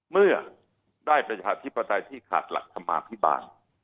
เมื่อได้ประชาธิปไตยที่ขาดหลักธรรมาภิบาล